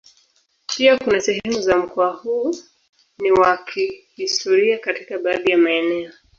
Pia kuna sehemu za mkoa huu ni wa kihistoria katika baadhi ya maeneo.